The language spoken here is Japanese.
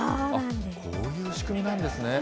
こういう仕組みなんですね。